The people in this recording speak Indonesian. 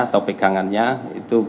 atau pegangannya itu